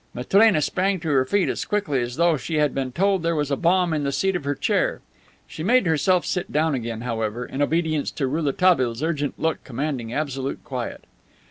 Matrena sprang to her feet as quickly as though she had been told there was a bomb in the seat of her chair. She made herself sit down again, however, in obedience to Rouletabille's urgent look commanding absolute quiet.